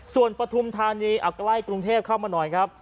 ส่วนปฐุมธานีเอาใกล้กรุงเทพเข้ามาหน่อยครับ